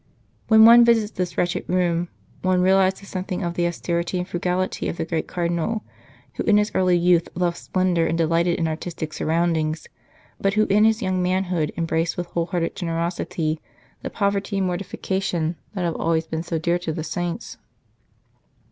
When one visits this wretched room, one realizes something of the austerity and frugality of the great Cardinal, who in his early youth 1 A ducat was worth fifteen shillings of our money. 60 A School for Saints loved splendour and delighted in artistic sur roundings, but who in his young manhood em braced with whole hearted generosity the poverty and mortification that have always been so dear to the saints.